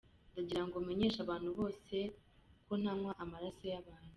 Ndagira ngo menyeshe abantu bose nko ntanywa amaraso y’abantu”.